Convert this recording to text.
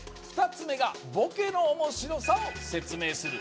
２つ目が「ボケの面白さを説明する」